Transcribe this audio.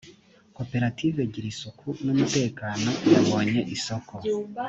koperative gira isuku n’umutekano yabonye isoko